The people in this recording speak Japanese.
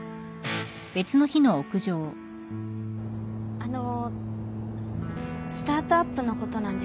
あのスタートアップのことなんですけど。